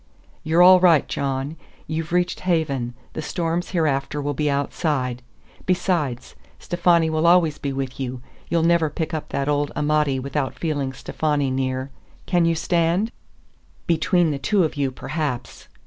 "You're all right, John. You've reached haven; the storms hereafter will be outside. Besides, Stefani will always be with you. You'll never pick up that old Amati without feeling Stefani near. Can you stand?" "Between the two of you, perhaps."